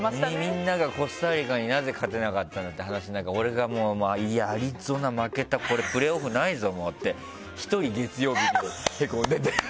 みんながコスタリカになぜ勝てなかったって話俺がアリゾナ負けたプレーオフないぞって１人、月曜日でへこんでて。